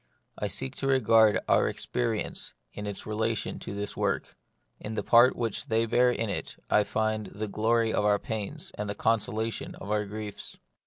I seek to regard all our experience in its relation to this work ; in the part which they bear in it I find the glory of our pains and the consolation of our griefs.